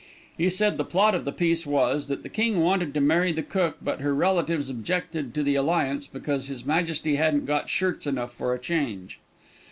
He said the plot of the piece was, that the king wanted to marry the cook, but her relatives objected to the alliance, because his majesty hadn't got shirts enough for a change.